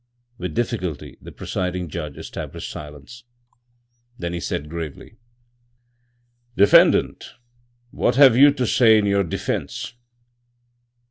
With difficulty the presiding judge established silence. Then he said gravely: "Defendant, what have you to say in your defense?"